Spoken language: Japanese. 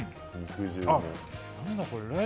何だ、これ。